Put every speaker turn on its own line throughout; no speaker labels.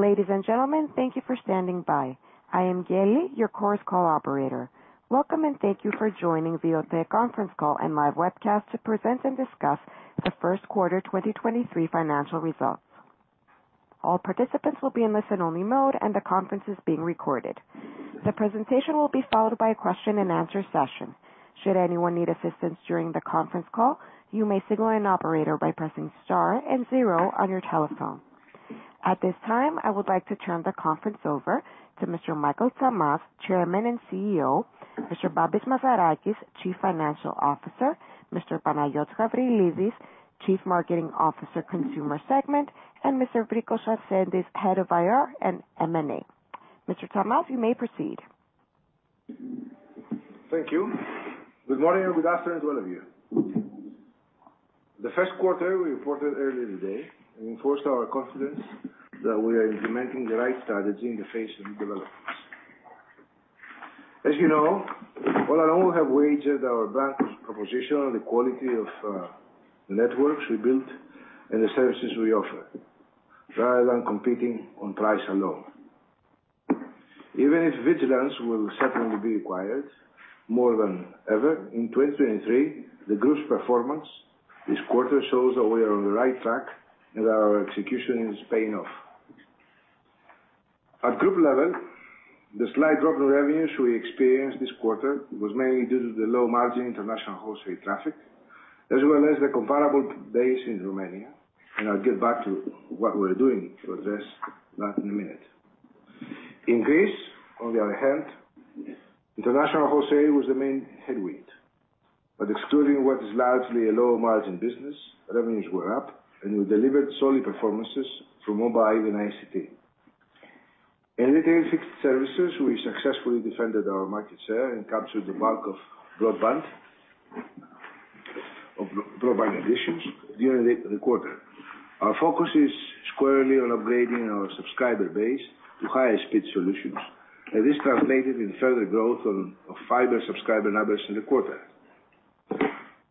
Ladies and gentlemen, thank you for standing by. I am Gaily, your Chorus Call operator. Welcome, thank you for joining the OTE conference call and live webcast to present and discuss the Q1 2023 financial results. All participants will be in listen only mode. The conference is being recorded. The presentation will be followed by a question and answer session. Should anyone need assistance during the conference call, you may signal an operator by pressing star and zero on your telephone. At this time, I would like to turn the conference over to Mr. Michael Tsamaz, Chairman and CEO, Mr. Babis Mazarakis, Chief Financial Officer, Mr. Panayiotis Gabrielides, Chief Marketing Officer, Consumer Segment, and Mr. Evrikos Sarsentis, Head of IR and M&A. Mr. Tsamaz, you may proceed.
Thank you. Good morning and good afternoon to all of you. The Q1 we reported earlier today enforced our confidence that we are implementing the right strategy in the face of new developments. As you know, all along have waged our bank's proposition on the quality of networks we built and the services we offer, rather than competing on price alone. Even if vigilance will certainly be required more than ever in 2023, the group's performance this quarter shows that we are on the right track and our execution is paying off. At group level, the slight drop in revenues we experienced this quarter was mainly due to the low margin international wholesale traffic, as well as the comparable base in Romania. I'll get back to what we're doing to address that in a minute. In Greece, on the other hand, international wholesale was the main headwind, excluding what is largely a low margin business, revenues were up, and we delivered solid performances for mobile and ICT. In retail fixed services, we successfully defended our market share and captured the bulk of broadband additions during the quarter. Our focus is squarely on upgrading our subscriber base to higher speed solutions, this translated into further growth of fiber subscriber numbers in the quarter.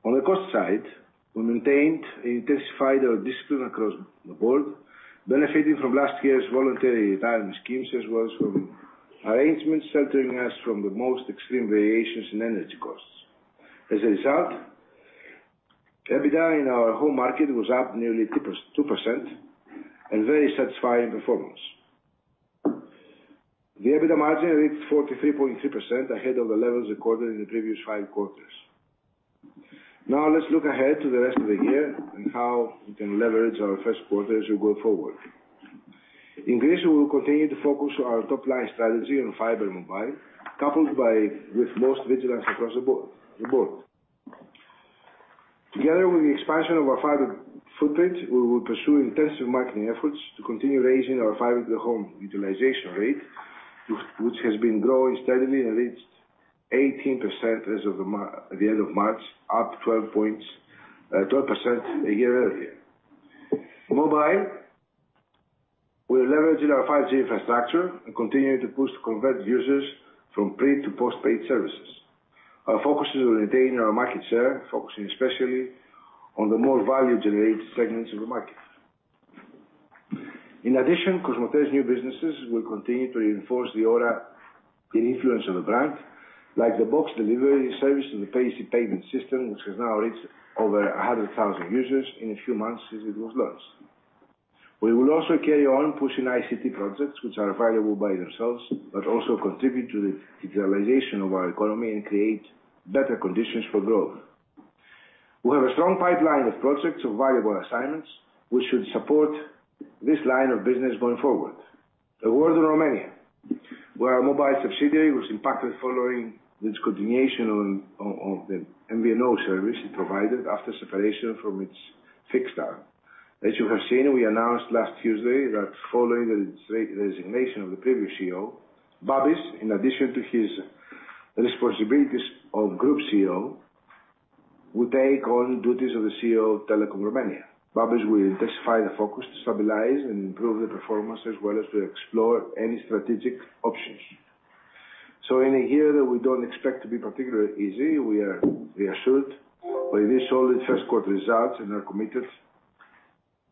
On the cost side, we maintained and intensified our discipline across the board, benefiting from last year's voluntary retirement schemes, as well as from arrangements sheltering us from the most extreme variations in energy costs. As a result, EBITDA in our home market was up nearly 2%, a very satisfying performance. The EBITDA margin reached 43.2% ahead of the levels recorded in the previous 5 quarters. Now, let's look ahead to the rest of the year and how we can leverage our Q1 as we go forward. In Greece, we will continue to focus our top line strategy on fiber mobile, coupled by, with most vigilance across the board. Together with the expansion of our fiber footprint, we will pursue intensive marketing efforts to continue raising our fiber to the home utilization rate, which has been growing steadily and reached 18% as of the end of March, up 12 points, 12% a year earlier. Mobile, we are leveraging our 5G infrastructure and continuing to push to convert users from pre to post-paid services. Our focus is on maintaining our market share, focusing especially on the more value generated segments of the market. In addition, COSMOTE's new businesses will continue to reinforce the aura and influence of the brand, like the BOX delivery service and the payzy payment system, which has now reached over 100,000 users in a few months since it was launched. We will also carry on pushing ICT projects which are valuable by themselves, but also contribute to the digitalization of our economy and create better conditions for growth. We have a strong pipeline of projects of valuable assignments, which should support this line of business going forward. A word on Romania, where our mobile subsidiary was impacted following discontinuation of the MVNO service it provided after separation from its fixed star. As you have seen, we announced last Tuesday that following the resignation of the previous CEO, Babis, in addition to his responsibilities of Group CEO, will take on duties of the CEO of Telekom Romania. Babis will intensify the focus to stabilize and improve the performance, as well as to explore any strategic options. In a year that we don't expect to be particularly easy, we are reassured by this solid Q1 results and are committed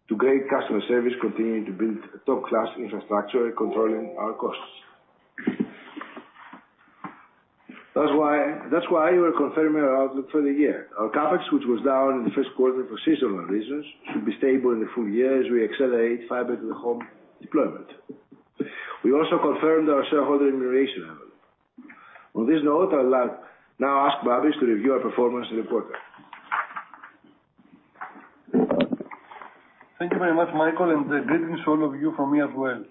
to great customer service, continuing to build a top-class infrastructure, controlling our costs. That's why we are confirming our outlook for the year. Our CapEx, which was down in the Q1 for seasonal reasons, should be stable in the full year as we accelerate fiber to the home deployment. We also confirmed our shareholder remuneration level. On this note, I'll now ask Babis to review our performance in the quarter.
Thank you very much, Michael, and greetings to all of you from me as well.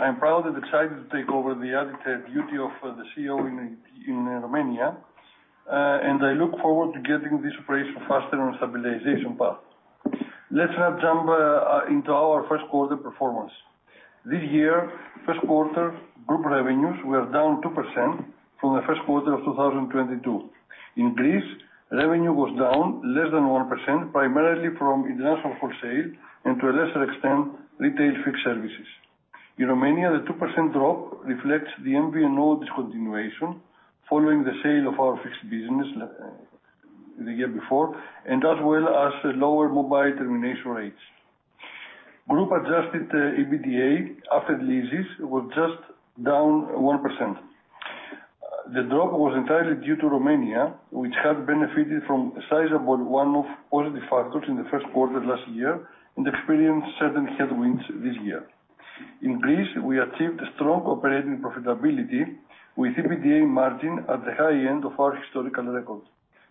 I am proud and excited to take over the added duty of the CEO in Romania, and I look forward to getting this operation faster on stabilization path. Let's now jump into our Q1 performance. This year, Q1 group revenues were down 2% from the Q1 of 2022. Increase revenue was down less than 1%, primarily from international for sale and to a lesser extent, retail fixed services. In Romania, the 2% drop reflects the MVNO discontinuation following the sale of our fixed business the year before, and as well as lower mobile termination rates. Group adjusted EBITDA after leases were just down 1%. The drop was entirely due to Romania, which had benefited from a sizable one-off positive factors in the Q1 last year and experienced certain headwinds this year. In Greece, we achieved a strong operating profitability with EBITDA margin at the high end of our historical records.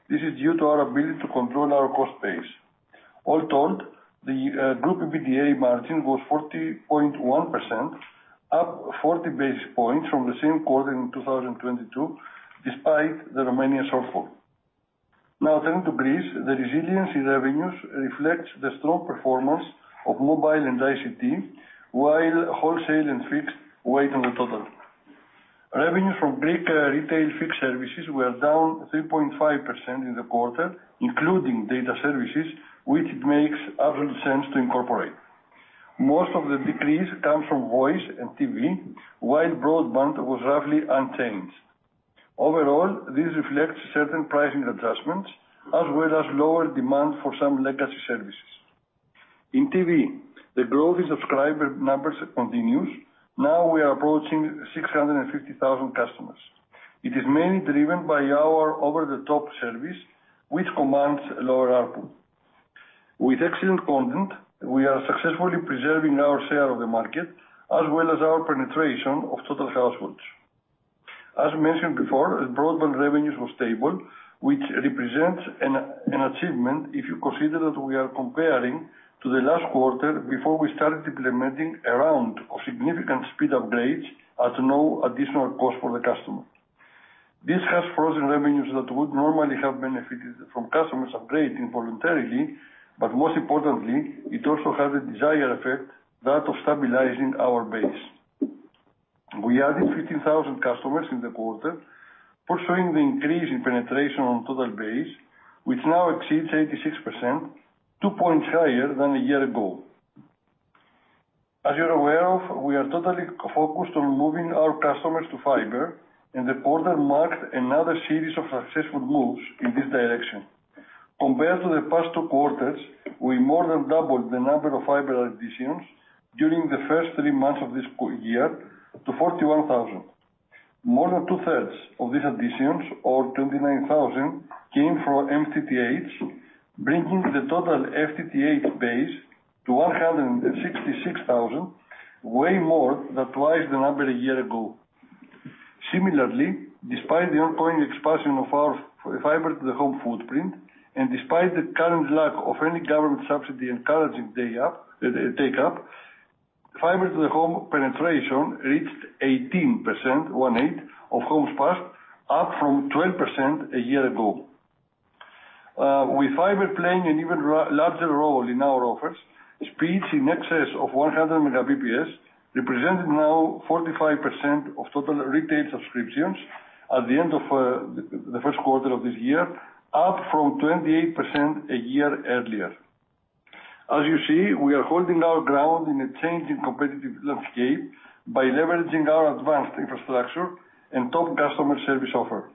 This is due to our ability to control our cost base. All told, the group EBITDA margin was 40.1%, up 40 basis points from the same quarter in 2022 despite the Romanian shortfall. Turning to Greece, the resilience in revenues reflects the strong performance of mobile and ICT, while wholesale and fixed weigh on the total. Revenue from Greek retail fixed services were down 3.5% in the quarter, including data services, which makes absolute sense to incorporate. Most of the decrease comes from voice and TV, while broadband was roughly unchanged. Overall, this reflects certain pricing adjustments as well as lower demand for some legacy services. In TV, the growth in subscriber numbers continues. Now we are approaching 650,000 customers. It is mainly driven by our over-the-top service, which commands lower ARPU. With excellent content, we are successfully preserving our share of the market, as well as our penetration of total households. As mentioned before, broadband revenues were stable, which represents an achievement if you consider that we are comparing to the last quarter before we started implementing a round of significant speed upgrades at no additional cost for the customer. This has frozen revenues that would normally have benefited from customers upgrading voluntarily, most importantly, it also has a desired effect, that of stabilizing our base. We added 15,000 customers in the quarter, pursuing the increase in penetration on total base, which now exceeds 86%, two points higher than a year ago. As you're aware of, we are totally focused on moving our customers to fiber, and the quarter marked another series of successful moves in this direction. Compared to the past two quarters, we more than doubled the number of fiber additions during the first three months of this year to 41,000. More than 2/3 of these additions, or 29,000, came from FTTH, bringing the total FTTH base to 166,000, way more than twice the number a year ago. Similarly, despite the ongoing expansion of our FTTH footprint, and despite the current lack of any government subsidy encouraging take up, FTTH penetration reached 18%, 18, of homes passed, up from 12% a year ago. With fiber playing an even larger role in our offers, speeds in excess of 100 Mbps represented now 45% of total retail subscriptions at the end of the Q1 of this year, up from 28% a year earlier. As you see, we are holding our ground in a changing competitive landscape by leveraging our advanced infrastructure and top customer service offer.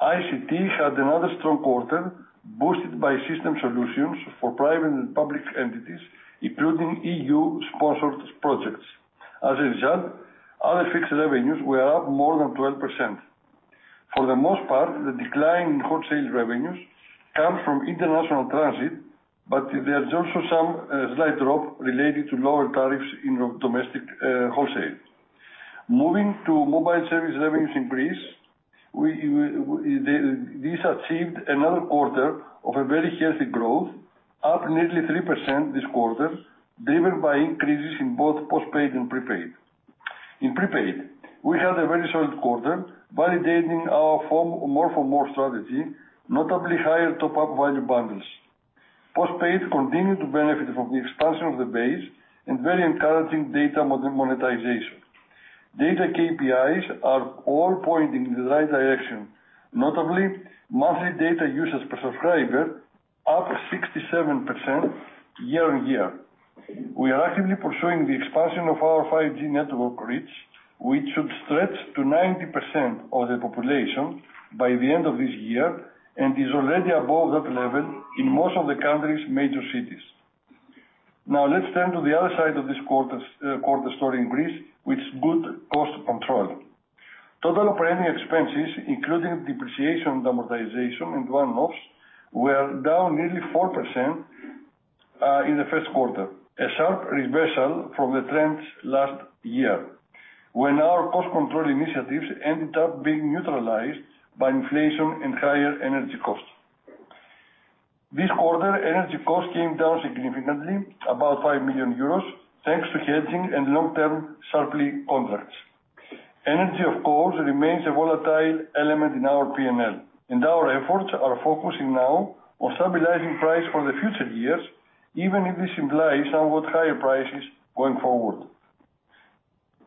ICT had another strong quarter boosted by system solutions for private and public entities, including EU-sponsored projects. As a result, other fixed revenues were up more than 12%. For the most part, the decline in wholesale revenues comes from international transit, but there's also some slight drop related to lower tariffs in domestic wholesale. Moving to mobile service revenues in Greece, these achieved another quarter of a very healthy growth, up nearly 3% this quarter, driven by increases in both postpaid and prepaid. In prepaid, we had a very solid quarter validating our more for more strategy, notably higher top-up value bundles. Postpaid continued to benefit from the expansion of the base and very encouraging data monetization. Data KPIs are all pointing in the right direction, notably monthly data users per subscriber up 67% year-on-year. We are actively pursuing the expansion of our 5G network reach, which should stretch to 90% of the population by the end of this year and is already above that level in most of the country's major cities. Let's turn to the other side of this quarter story in Greece with good cost control. Total operating expenses, including depreciation, amortization, and one-offs, were down nearly 4% in the Q1, a sharp reversal from the trends last year, when our cost control initiatives ended up being neutralized by inflation and higher energy costs. This quarter, energy costs came down significantly, about 5 million euros, thanks to hedging and long-term supply contracts. Energy, of course, remains a volatile element in our P&L. Our efforts are focusing now on stabilizing price for the future years, even if this implies somewhat higher prices going forward.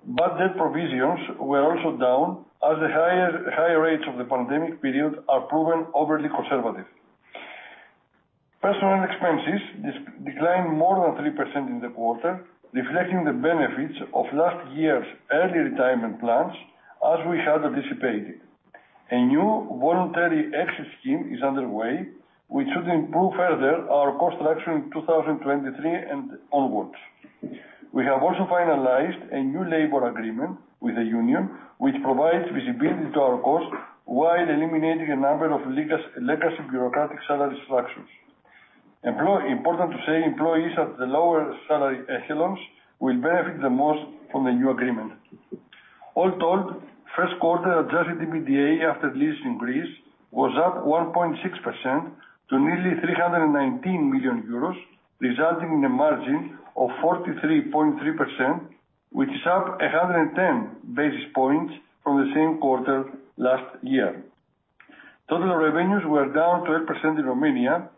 Bad debt provisions were also down as the high rates of the pandemic period are proven overly conservative. Personal expenses declined more than 3% in the quarter, reflecting the benefits of last year's early retirement plans, as we had anticipated. A new voluntary exit scheme is underway, which should improve further our cost structure in 2023 and onwards. We have also finalized a new labor agreement with the union, which provides visibility to our costs while eliminating a number of legacy bureaucratic salary structures. Important to say, employees at the lower salary echelons will benefit the most from the new agreement. All told, Q1 adjusted EBITDA after leasing Greece was up 1.6% to nearly 319 million euros, resulting in a margin of 43.3%, which is up 110 basis points from the same quarter last year. Total revenues were down 12% in Romania,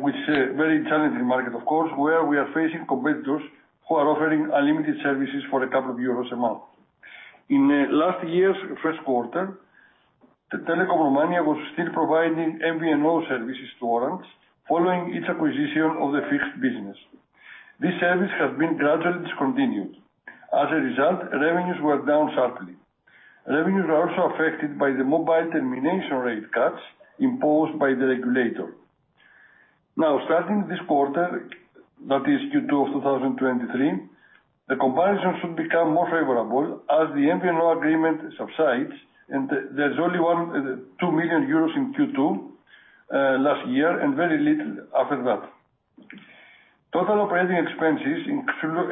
which is a very challenging market of course, where we are facing competitors who are offering unlimited services for a couple of EUR a month. In last year's Q1, Telekom Romania was still providing MVNO services to Orange, following its acquisition of the fixed business. This service has been gradually discontinued. As a result, revenues were down sharply. Revenues are also affected by the mobile termination rates cuts imposed by the regulator. Starting this quarter, that is Q2 of 2023, the comparison should become more favorable as the MVNO agreement subsides and there's only 2 million euros in Q2 last year and very little after that. Total operating expenses,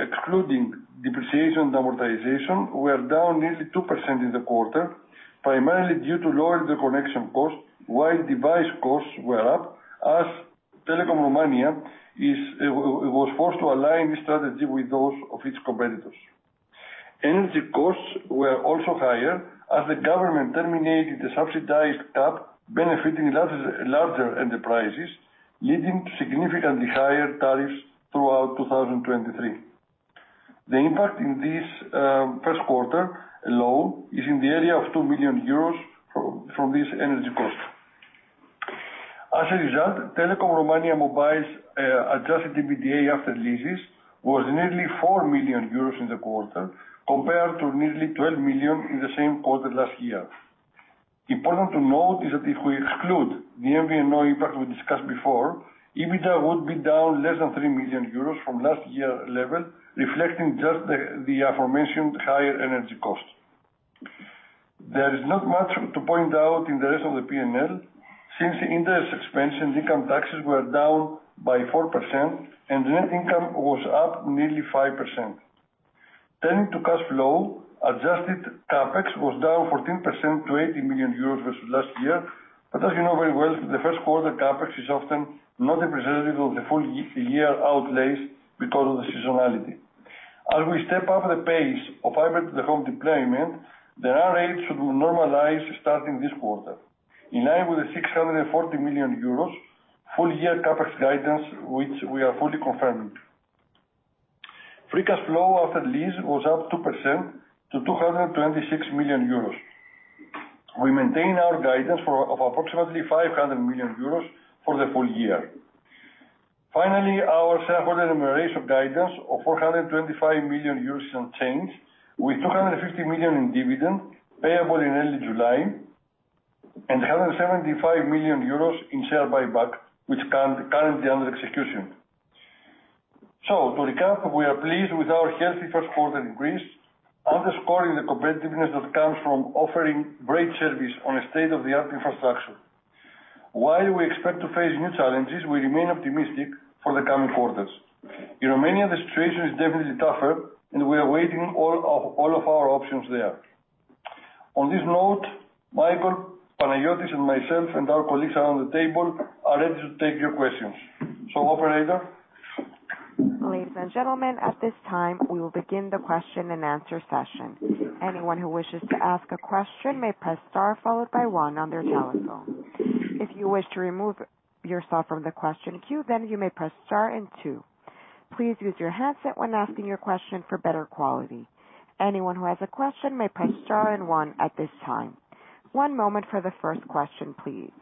excluding depreciation and amortization, were down nearly 2% in the quarter, primarily due to lower interconnection costs, while device costs were up as Telekom Romania was forced to align its strategy with those of its competitors. Energy costs were also higher as the government terminated the subsidized cap benefiting larger enterprises, leading to significantly higher tariffs throughout 2023. The impact in this 1st quarter alone is in the area of 2 million euros from this energy cost. As a result, Telekom Romania Mobile's adjusted EBITDA after leases was nearly 4 million euros in the quarter compared to nearly 12 million in the same quarter last year. Important to note is that if we exclude the MVNO impact we discussed before, EBITDA would be down less than 3 million euros from last year level, reflecting just the aforementioned higher energy costs. There is not much to point out in the rest of the P&L since interest expense and income taxes were down by 4% and net income was up nearly 5%. Turning to cash flow, adjusted CapEx was down 14% to 80 million euros versus last year. As you know very well, the Q1 CapEx is often not representative of the full year outlays because of the seasonality. As we step up the pace of fiber to the home deployment, the R8 should normalize starting this quarter. In line with the 640 million euros full year CapEx guidance, which we are fully confirming. Free cash flow after lease was up 2% to 226 million euros. We maintain our guidance of approximately 500 million euros for the full year. Our shareholder remuneration guidance of 425 million euros is unchanged, with 250 million in dividend payable in early July and 175 million euros in share buyback, which currently under execution. To recap, we are pleased with our healthy Q1 in Greece, underscoring the competitiveness that comes from offering great service on a state-of-the-art infrastructure. While we expect to face new challenges, we remain optimistic for the coming quarters. In Romania, the situation is definitely tougher and we are weighing all of our options there. On this note, Michael, Panagiotis and myself and our colleagues around the table are ready to take your questions. Operator?
Ladies and gentlemen, at this time, we will begin the question and answer session. Anyone who wishes to ask a question may press star followed by 1 on their telephone. If you wish to remove yourself from the question queue, you may press star and 2. Please use your handset when asking your question for better quality. Anyone who has a question may press star and 1 at this time. One moment for the first question, please.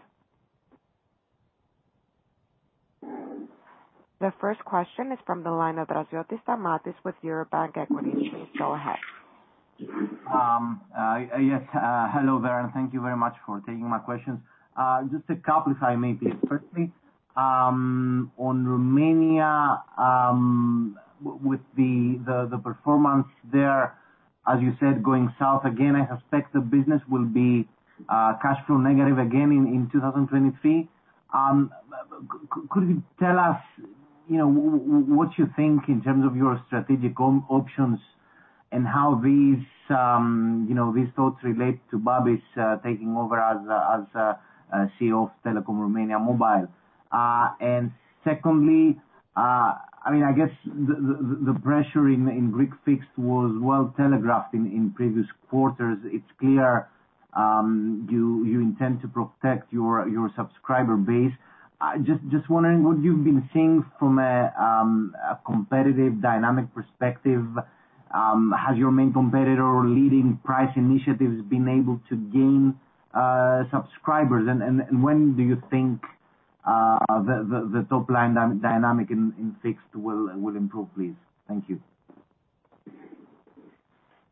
The first question is from the line of Stamatios Draziotis with Eurobank Equities. Please go ahead.
Yes, hello there, thank you very much for taking my questions. Just a couple if I may please. Firstly, on Romania, with the performance there, as you said, going south again, I expect the business will be cash flow negative again in 2023. Could you tell us, you know, what you think in terms of your strategic options and how these, you know, these thoughts relate to Babis taking over as CEO of Telekom Romania Mobile? Secondly, I mean, I guess the pressure in Greek fixed was well telegraphed in previous quarters. It's clear, you intend to protect your subscriber base. Just wondering what you've been seeing from a competitive dynamic perspective. Has your main competitor leading price initiatives been able to gain subscribers? When do you think the top line dynamic in fixed will improve, please? Thank you.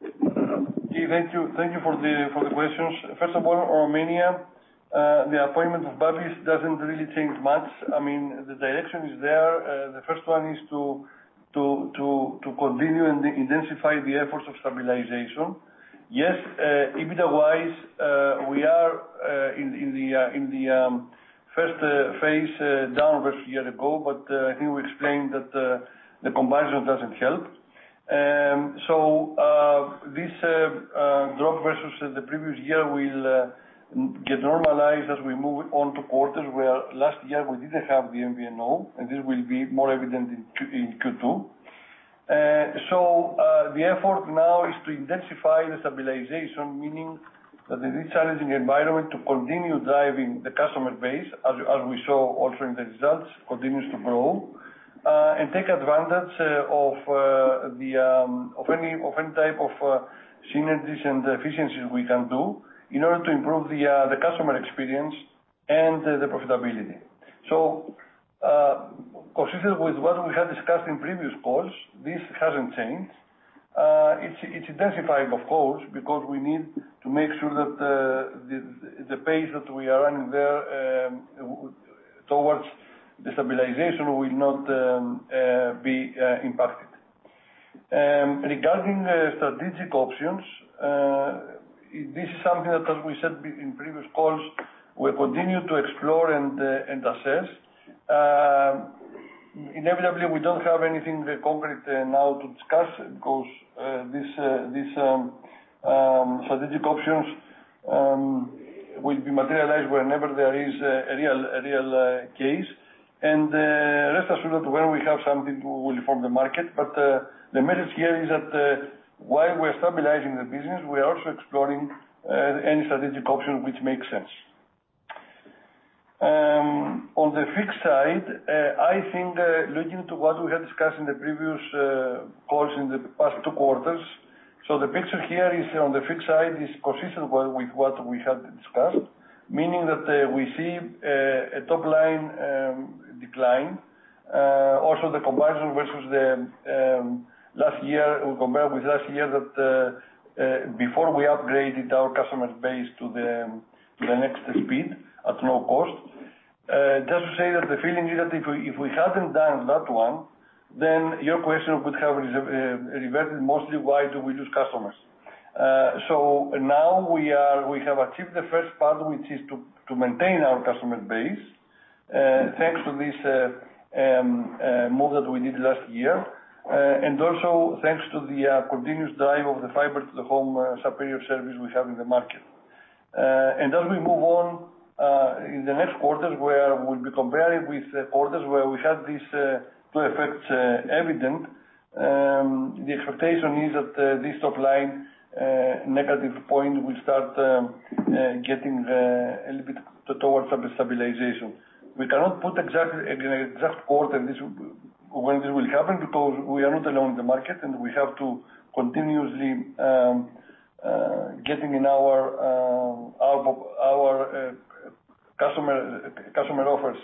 Okay, thank you. Thank you for the questions. First of all, Romania, the appointment of Babis doesn't really change much. I mean, the direction is there. The first one is to continue and intensify the efforts of stabilization. Yes, EBITDA-wise, we are in the first phase down versus a year ago. I think we explained that the combination doesn't help. This drop versus the previous year will get normalized as we move on to quarters where last year we didn't have the MVNO, and this will be more evident in Q2. The effort now is to intensify the stabilization, meaning that in this challenging environment to continue driving the customer base, as we saw also in the results, continues to grow. And take advantage of any type of synergies and efficiencies we can do in order to improve the customer experience and the profitability. Consistent with what we have discussed in previous calls, this hasn't changed. It's intensified of course, because we need to make sure that the pace that we are running there towards the stabilization will not be impacted. Regarding the strategic options, this is something that as we said in previous calls, we continue to explore and assess. Inevitably, we don't have anything concrete now to discuss because this strategic options will be materialized whenever there is a real case. Rest assured that when we have something, we will inform the market. The message here is that while we're stabilizing the business, we are also exploring any strategic option which makes sense. On the fixed side, I think looking to what we have discussed in the previous calls in the past two quarters. The picture here is on the fixed side is consistent with what we have discussed. Meaning that we see a top line decline. The comparison versus the last year, we compare with last year that before we upgraded our customers base to the next speed at no cost. To say that the feeling is that if we, if we hadn't done that one, then your question would have reverted mostly why do we lose customers. Now we are, we have achieved the first part, which is to maintain our customer base, thanks to this move that we did last year. Thanks to the continuous drive of the fiber to the home superior service we have in the market. As we move on in the next quarters, where we'll be comparing with quarters where we had this two effects evident. The expectation is that this top line negative point will start getting a little bit towards some stabilization. We cannot put exact quarter when this will happen because we are not alone in the market, and we have to continuously getting in our our our customer offers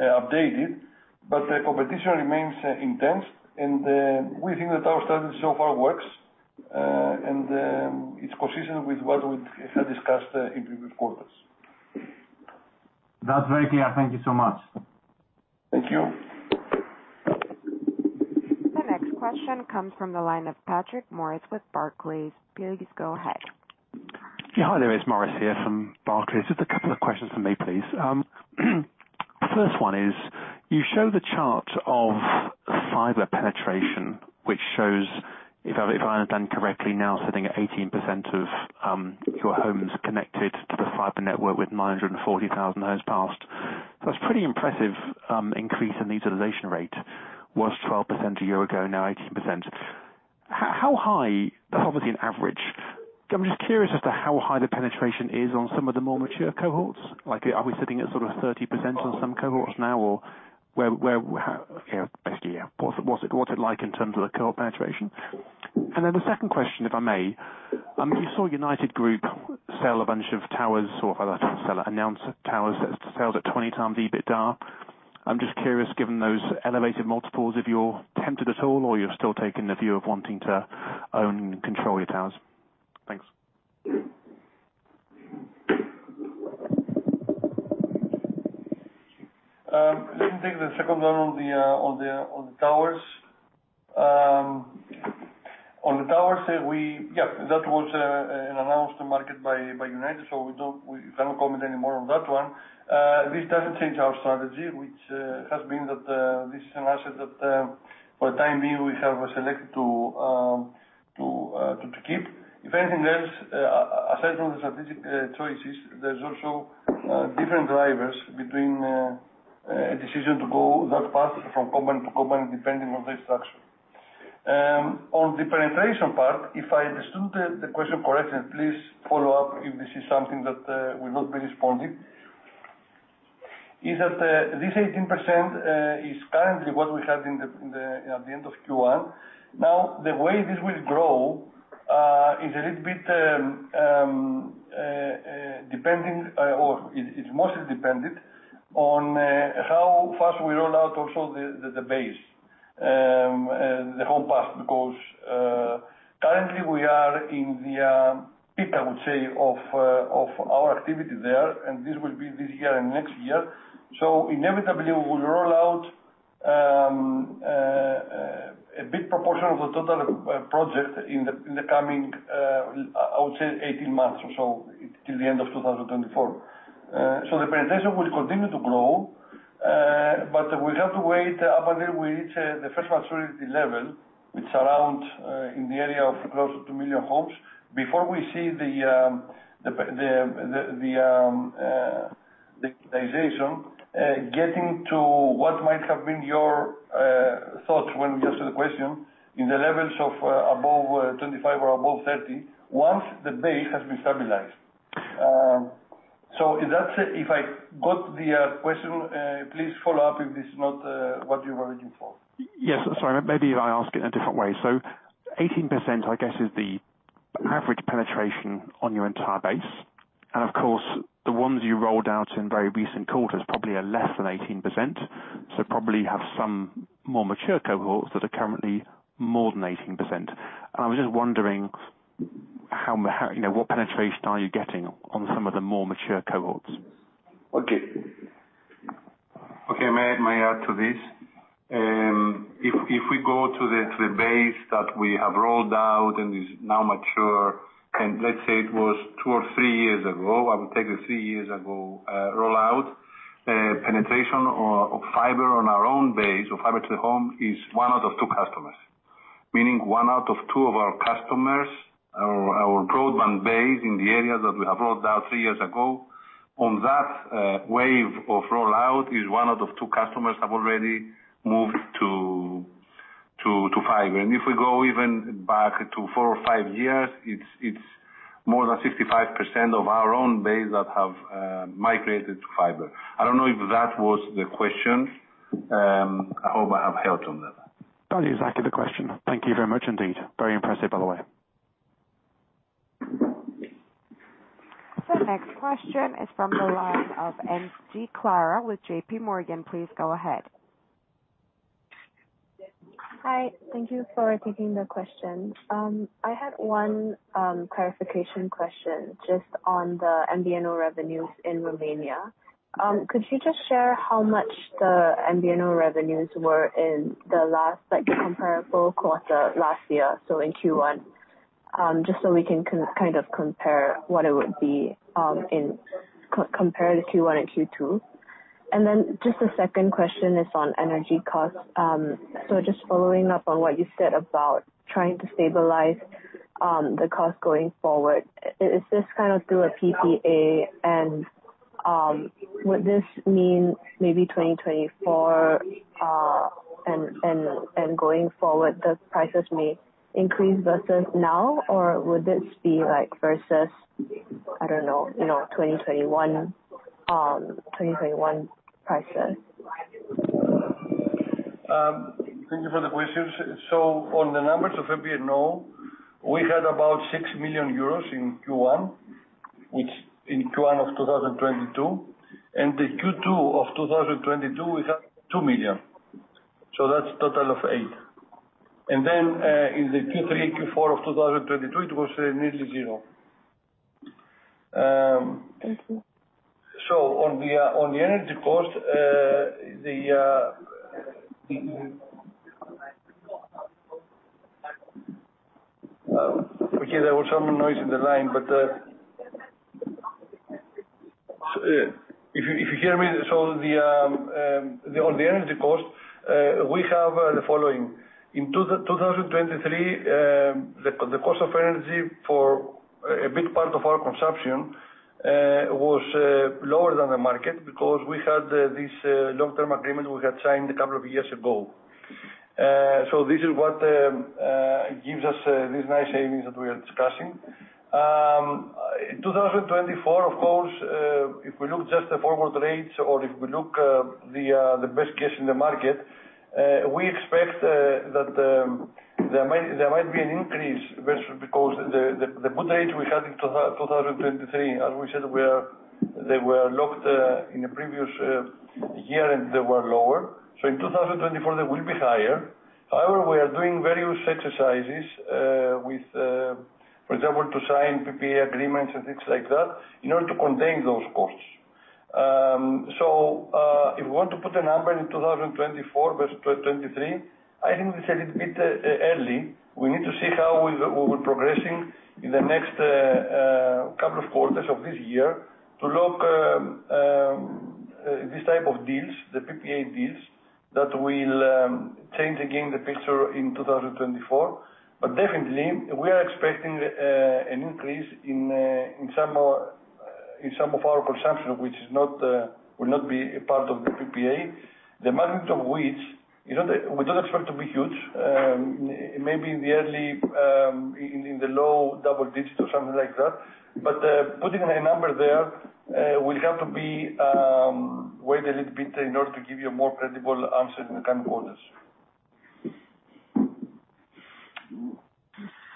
updated. The competition remains intense. We think that our strategy so far works. It's consistent with what we had discussed in previous quarters.
That's very clear. Thank you so much.
Thank you.
The next question comes from the line of Maurice Patrick with Barclays. Please go ahead.
Hi there, it's Maurice here from Barclays. Just a couple of questions from me, please. First one is, you show the chart of fiber penetration, which shows, if I, if I understand correctly now, sitting at 18% of your homes connected to the fiber network with 940,000 homes passed. That's pretty impressive, increase in the utilization rate, was 12% a year ago, now 18%. How high, that's obviously an average. I'm just curious as to how high the penetration is on some of the more mature cohorts. Like, are we sitting at sort of 30% on some cohorts now or where, how, you know, basically, yeah. What's, what's it, what's it like in terms of the cohort penetration? The second question, if I may. You saw United Group sell a bunch of towers or rather than sell, announce towers sales at 20x the EBITDA. I'm just curious, given those elevated multiples, if you're tempted at all or you're still taking the view of wanting to own and control your towers. Thanks.
Let me take the second one on the towers. On the towers, we, yeah, that was an announce to market by United, so we don't, we cannot comment any more on that one. This doesn't change our strategy, which has been that this is an asset that for the time being we have selected to keep. If anything else, aside from the strategic choices, there's also different drivers between a decision to go that path from company to company, depending on their structure. On the penetration part, if I understood the question correctly, please follow up if this is something that will not be responded. Is that, this 18% is currently what we have in the, in the, at the end of Q1. The way this will grow is a little bit depending, or it is mostly dependent on how fast we roll out also the, the base, the home part because currently we are in the peak I would say of our activity there, and this will be this year and next year. Inevitably we will roll out a big proportion of the total project in the coming, I would say 18 months or so, till the end of 2024. The presentation will continue to grow, but we have to wait up until we reach the first maturity level, which is around in the area of close to 2 million homes before we see the digitization getting to what might have been your thoughts when you asked the question in the levels of above 25 or above 30, once the base has been stabilized. Is that? If I got the question, please follow up if this is not what you were looking for.
Sorry, maybe if I ask it in a different way. 18% I guess is the average penetration on your entire base. Of course, the ones you rolled out in very recent quarters probably are less than 18%. Probably have some more mature cohorts that are currently more than 18%. I was just wondering how, you know, what penetration are you getting on some of the more mature cohorts?
Okay.
Okay. May I add to this? If we go to the base that we have rolled out and is now mature, and let's say it was 2 or 3 years ago, I would take the 3 years ago rollout. Penetration or fiber on our own base or FTTH is 1 out of 2 customers, meaning 1 out of 2 of our customers or our broadband base in the areas that we have rolled out 3 years ago, on that wave of rollout is 1 out of 2 customers have already moved to fiber. If we go even back to 4 or 5 years, it's more than 65% of our own base that have migrated to fiber. I don't know if that was the question. I hope I have helped on that.
That is exactly the question. Thank you very much indeed. Very impressive, by the way.
The next question is from the line of Akhil Dattani with J.P. Morgan. Please go ahead.
Hi. Thank you for taking the question. I had one clarification question just on the MVNO revenues in Romania. Could you just share how much the MVNO revenues were in the last, like, comparable quarter last year, so in Q1? Just so we can kind of compare what it would be, in compare the Q1 and Q2. Just a second question is on energy costs. Just following up on what you said about trying to stabilize the cost going forward. Is this kind of through a PPA? Would this mean maybe 2024 and going forward, the prices may increase versus now? Would this be like versus, I don't know, you know, 2021 prices?
Thank you for the question. On the numbers of MVNO, we had about 6 million euros in Q1, which in Q1 of 2022, and the Q2 of 2022, we had 2 million. That's total of 8 million. In the Q3, Q4 of 2023, it was nearly zero.
Thank you.
On the energy cost. Okay, there was some noise in the line, but if you hear me, on the energy cost, we have the following. In 2023, the cost of energy for a big part of our consumption was lower than the market because we had this long-term agreement we had signed a couple of years ago. This is what gives us these nice savings that we are discussing. In 2024, of course, if we look just the forward rates or if we look the best case in the market, we expect that there might be an increase versus because the good rate we had in 2023, as we said, they were locked in the previous year, and they were lower. So in 2024, they will be higher. However, we are doing various exercises with, for example, to sign PPA agreements and things like that in order to contain those costs. If you want to put a number in 2024 versus 2023, I think it's a little bit early. We need to see how we were progressing in the next couple of quarters of this year to lock this type of deals, the PPA deals, that will change again the picture in 2024. Definitely we are expecting an increase in some of our consumption, which will not be a part of the PPA, the magnitude of which is not we don't expect to be huge. Maybe in the early in the low double digits or something like that. Putting a number there will have to be wait a little bit in order to give you a more credible answer in the coming quarters.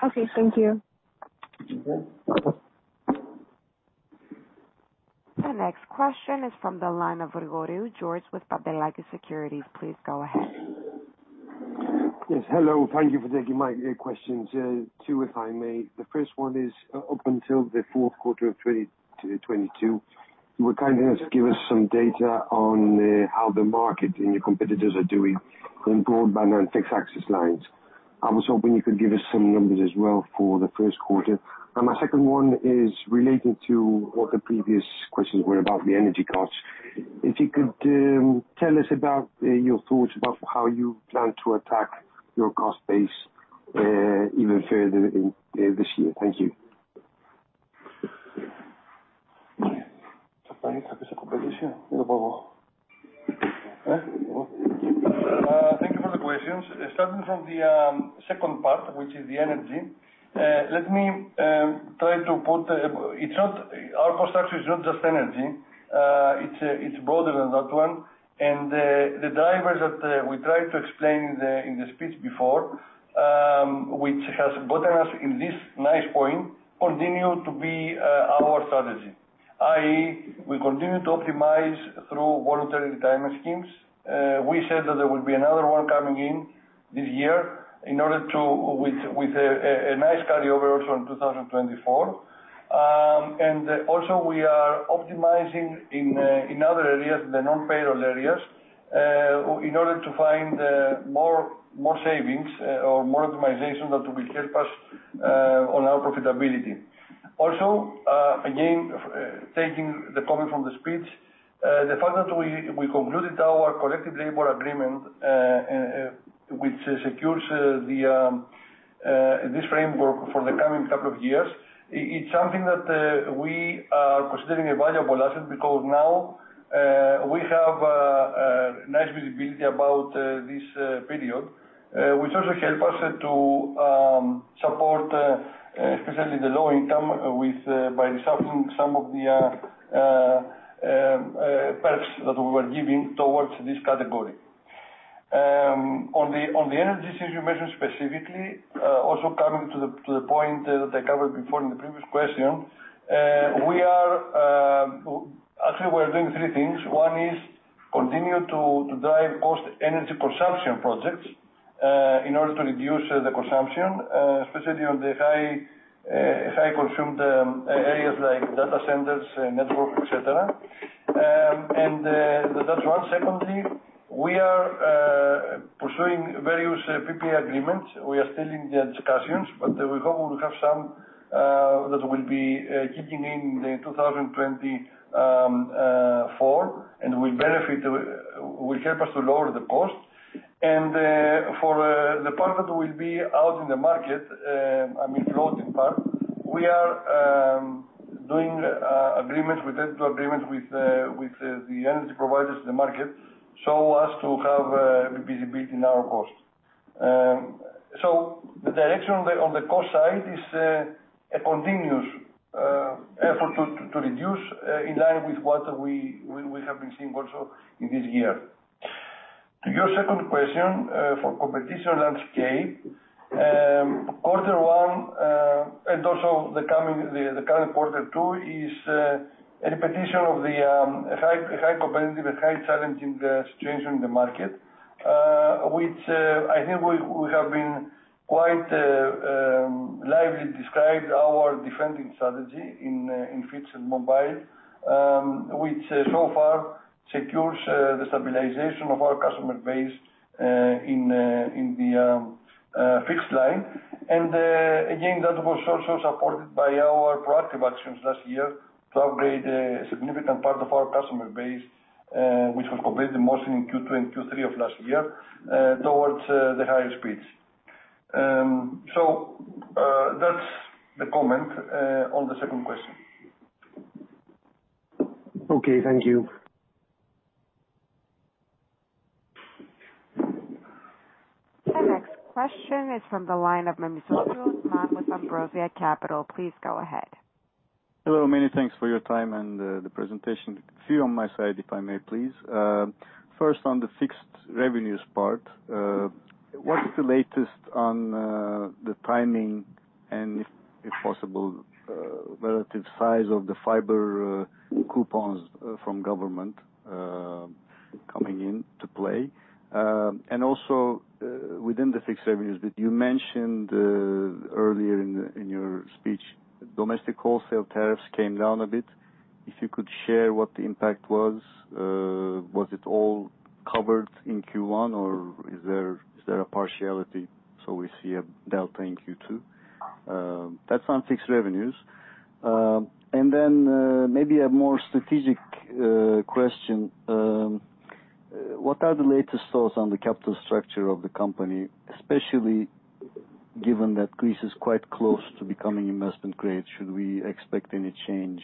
Okay, thank you.
Okay.
The next question is from the line of Vasilis Kollias with Pantelakis Securities. Please go ahead.
Yes, hello. Thank you for taking my questions. Two if I may. The first one is up until the Q4 of 2022, you were kind enough to give us some data on how the market and your competitors are doing on broadband and fixed access lines. I was hoping you could give us some numbers as well for the Q1. My second one is relating to what the previous questions were about the energy costs. If you could tell us about your thoughts about how you plan to attack your cost base even further in this year. Thank you.
Thank you for the questions. Starting from the second part, which is the energy. Let me try to put. Our cost structure is not just energy. It's broader than that one. The drivers that we tried to explain in the speech before, which has gotten us in this nice point, continue to be our strategy. I.e., we continue to optimize through voluntary retirement schemes. We said that there will be another one coming in this year in order to with a nice carryover also in 2024. Also we are optimizing in other areas, the non-payroll areas, in order to find more savings or more optimization that will help us on our profitability. Again, taking the comment from the speech, the fact that we concluded our collective labor agreement, which secures this framework for the coming 2 years. It's something that we are considering a valuable asset because now, we have a nice visibility about this period, which also help us to support especially the low income with by accepting some of the perks that we were giving towards this category. On the energy situation specifically, also coming to the point that I covered before in the previous question, we are actually doing 3 things. One is continue to drive post energy consumption projects in order to reduce the consumption, especially on the high consumed areas like data centers, network, et cetera. That's one. Secondly, we are pursuing various PPA agreements. We are still in the discussions, but we hope we will have some that will be kicking in in 2024, and will benefit, will help us to lower the costs. For the part that will be out in the market, I mean, closing part, we are doing agreements with the energy providers in the market, so as to have visibility in our costs. The direction on the cost side is a continuous effort to reduce in line with what we have been seeing also in this year. To your second question, for competition landscape, Quarter 1 and also the current Quarter 2 is a repetition of the high competitive, high challenging situation in the market, which I think we have been quite lively described our defending strategy in fixed mobile, which so far secures the stabilization of our customer base in the fixed line. Again, that was also supported by our proactive actions last year to upgrade a significant part of our customer base, which was completed mostly in Q2 and Q3 of last year, towards the higher speeds. That's the comment on the second question.
Okay. Thank you.
The next question is from the line of Osman Memisoglu with Ambrosia Capital. Please go ahead.
Hello, many thanks for your time and the presentation. A few on my side, if I may please. First on the fixed revenues part, what is the latest on the timing and if possible, relative size of the fiber coupons from government coming in to play? Also, within the fixed revenues that you mentioned earlier in your speech, domestic wholesale tariffs came down a bit. If you could share what the impact was. Was it all covered in Q1, or is there a partiality, so we see a delta in Q2? That's on fixed revenues. Then, maybe a more strategic question. What are the latest thoughts on the capital structure of the company, especially given that Greece is quite close to becoming investment grade? Should we expect any change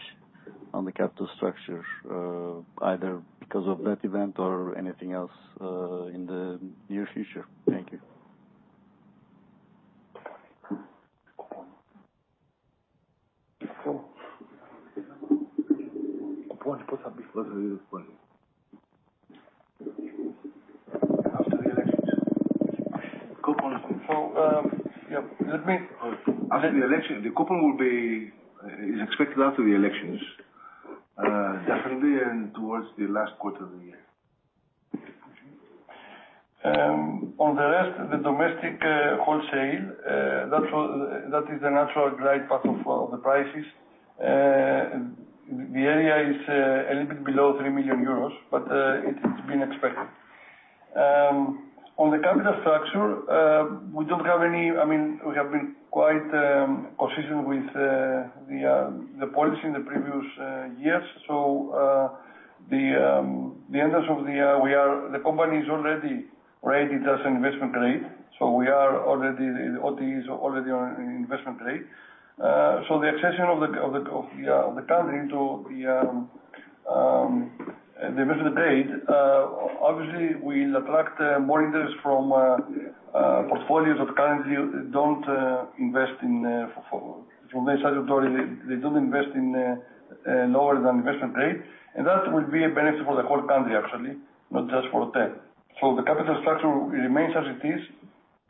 on the capital structure, either because of that event or anything else, in the near future? Thank you.
After the elections.
Well, yeah, let me-.
After the election, the coupon is expected after the elections. Definitely in towards the last quarter of the year.
On the rest of the domestic wholesale, that is the natural glide path of all the prices. The area is a little bit below 3 million euros, it's been expected. On the capital structure, we have been quite consistent with the policy in the previous years. The end of the year the company is already rated as investment grade. OTE is already on investment grade. The accession of the country into the development grade obviously will attract more interest from portfolios of countries don't invest in from the statutory. They don't invest in lower than investment grade. That will be a benefit for the whole country actually, not just for tech. The capital structure remains as it is.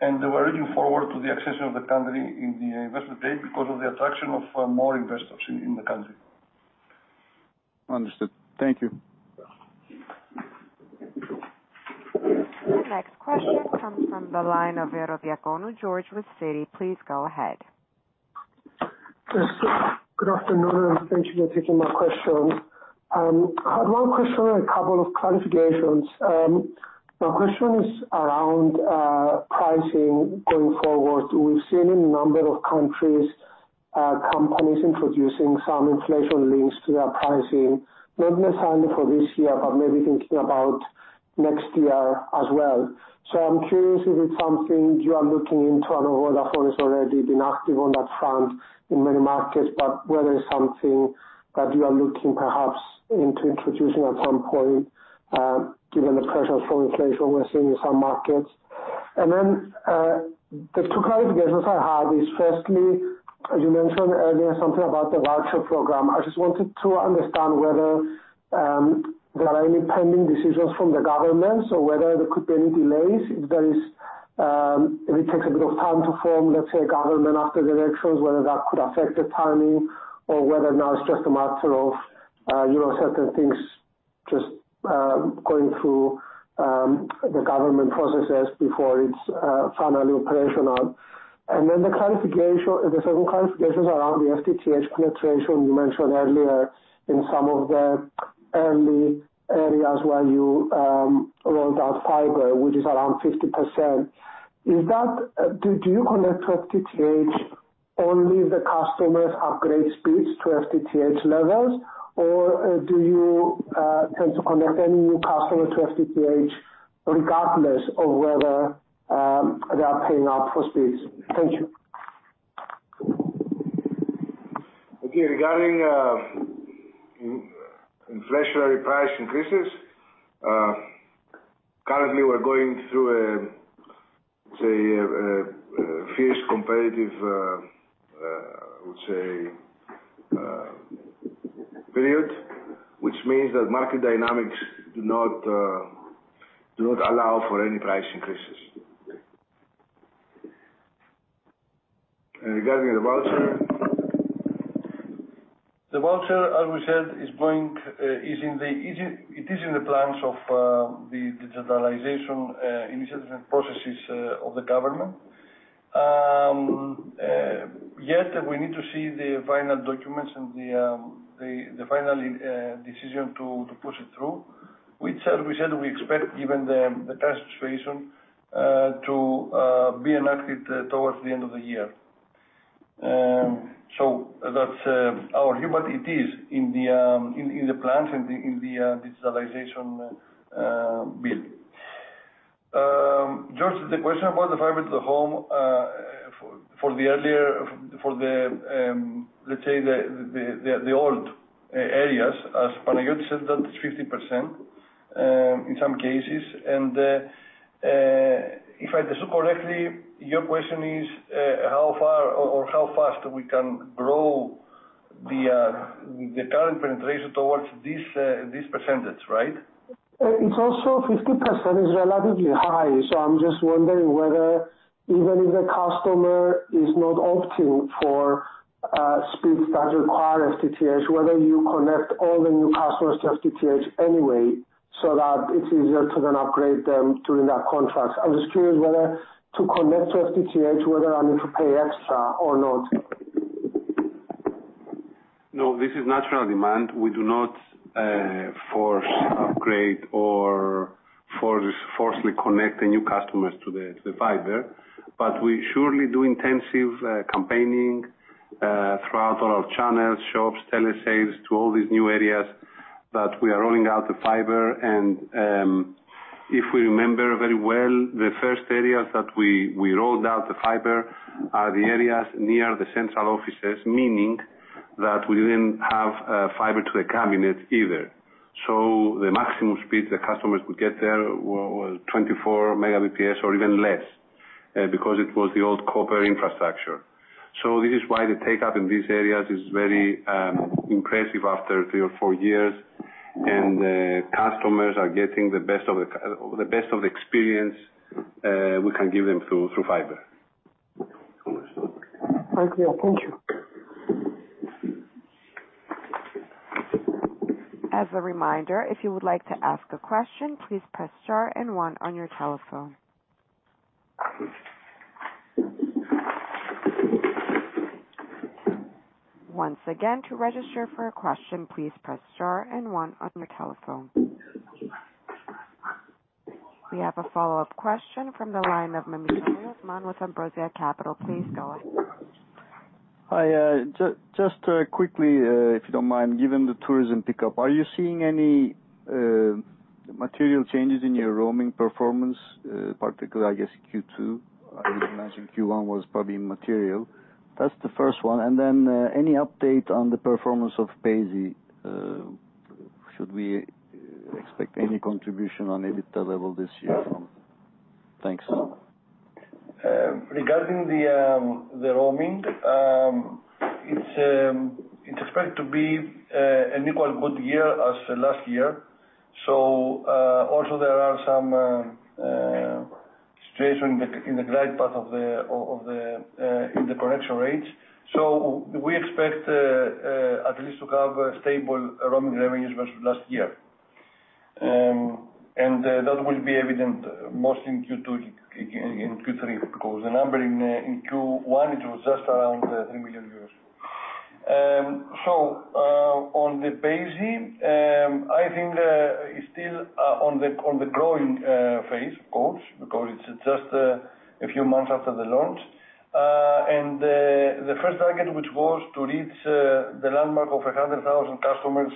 We are looking forward to the accession of the country in the investment grade because of the attraction of more investors in the country.
Understood. Thank you.
The next question comes from the line of Ierodiaconou, Georgios with Citi. Please go ahead.
Yes. Good afternoon, and thank you for taking my question. One question, a couple of clarifications. My question is around pricing going forward. We've seen a number of countries, companies introducing some inflation links to their pricing. Not necessarily for this year, but maybe thinking about next year as well. I'm curious if it's something you are looking into. I know Vodafone has already been active on that front in many markets, but whether it's something that you are looking perhaps into introducing at some point, given the pressures from inflation we're seeing in some markets. The two clarifications I have is, firstly, as you mentioned earlier, something about the voucher program. I just wanted to understand whether there are any pending decisions from the government or whether there could be any delays if there is, if it takes a bit of time to form, let's say, a government after the elections. Whether that could affect the timing or whether or not it's just a matter of, you know, certain things just going through the government processes before it's finally operational. The clarification, the second clarification is around the FTTH penetration you mentioned earlier in some of the early areas where you rolled out fiber, which is around 50%. Is that, do you connect to FTTH only if the customers upgrade speeds to FTTH levels? Or, do you tend to connect any new customer to FTTH regardless of whether they are paying up for speeds? Thank you.
Okay. Regarding inflationary price increases, currently we're going through a fierce competitive I would say, period, which means that market dynamics do not allow for any price increases. Regarding the voucher, as we said, it is in the plans of the digitalization initiative and processes of the government. Yet we need to see the final documents and the final decision to push it through. Which, as we said, we expect given the current situation to be enacted towards the end of the year. That's our view, but it is in the plans and in the digitalization bill. George, the question about the fiber to the home, let's say the old a-areas, as Panayiotis said, that's 50% in some cases. If I understood correctly, your question is how far or how fast we can grow the current penetration towards this percentage, right?
It's also 50% is relatively high, so I'm just wondering whether even if the customer is not opting for speeds that require FTTH, whether you connect all the new customers to FTTH anyway so that it's easier to then upgrade them during that contract. I'm just curious whether to connect to FTTH, whether I need to pay extra or not.
No, this is natural demand. We do not forcefully connect the new customers to the fiber. We surely do intensive campaigning throughout all our channels, shops, telesales, to all these new areas that we are rolling out the fiber. If we remember very well, the first areas that we rolled out the fiber are the areas near the central offices, meaning that we didn't have fiber to the cabinet either. The maximum speed the customers could get there was 24 Mbps or even less. Because it was the old copper infrastructure. This is why the take up in these areas is very impressive after three or 4 years. The customers are getting the best of the best of the experience we can give them through fiber.
Thank you.
Thank you.
As a reminder, if you would like to ask a question, please press star and one on your telephone. Once again, to register for a question, please press star and one on your telephone. We have a follow-up question from the line of Osman Memisoglu with Ambrosia Capital. Please go ahead.
Hi, just quickly, if you don't mind, given the tourism pickup, are you seeing any material changes in your roaming performance, particularly, I guess Q2? I would imagine Q1 was probably material. That's the first one. Any update on the performance of payzy? Should we expect any contribution on EBITDA level this year from it? Thanks.
Regarding the roaming, it's expected to be an equal good year as last year. Also there are some situation in the right path of the connection rates. We expect at least to have a stable roaming revenues versus last year. And that will be evident mostly in Q-two, in Q-three, because the number in Q-one, it was just around 3 million euros. On the payzy, I think it's still on the growing phase of course, because it's just a few months after the launch. And the first target which was to reach the landmark of 100,000 customers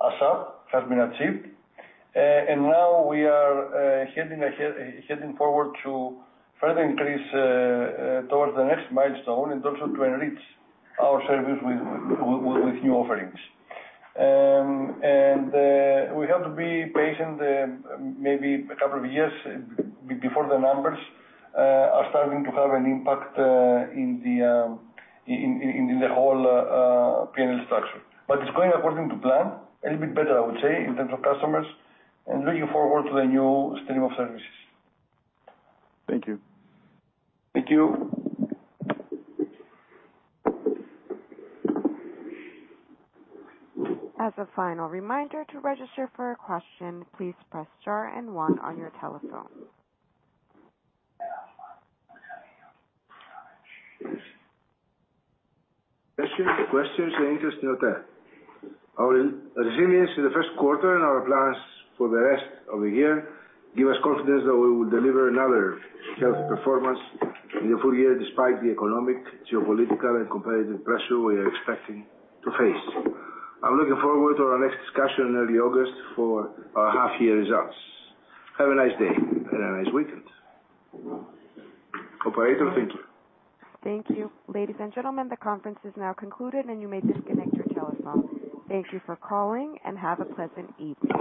ASAP has been achieved. Now we are heading forward to further increase towards the next milestone and also to enrich our service with new offerings. We have to be patient, maybe 2 years before the numbers are starting to have an impact in the whole P&L structure. It's going according to plan. A little bit better, I would say, in terms of customers, and looking forward to the new stream of services.
Thank you.
Thank you.
As a final reminder, to register for a question, please press star and one on your telephone.
Questions, questions and interest noted. Our resilience in the Q1 and our plans for the rest of the year give us confidence that we will deliver another health performance in the full year despite the economic, geopolitical and competitive pressure we are expecting to face. I'm looking forward to our next discussion in early August for our half year results. Have a nice day and a nice weekend. Operator, thank you.
Thank you. Ladies and gentlemen, the conference is now concluded and you may disconnect your telephone. Thank you for calling and have a pleasant evening.